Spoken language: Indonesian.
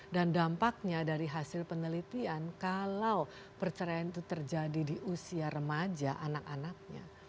dan dampaknya dari hasil penelitian kalau perceraian itu terjadi di usia remaja anak anaknya